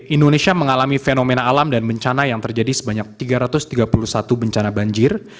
indonesia mengalami fenomena alam dan bencana yang terjadi sebanyak tiga ratus tiga puluh satu bencana banjir